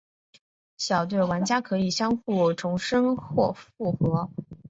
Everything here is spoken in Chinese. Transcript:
小队玩家可以互相重生和复活。